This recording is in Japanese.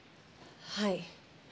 はい。